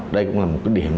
đây cũng là một cái điểm